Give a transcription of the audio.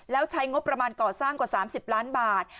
แล้วใช้งบประมาณก่อสร้างกว่า๓๐ล้านบาท